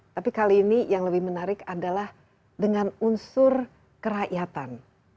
tapi kali ini yang lebih menarik adalah dengan unsur kerakyatan